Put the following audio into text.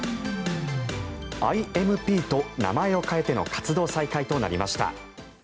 ＩＭＰ．と名前を変えての活動再開となりました。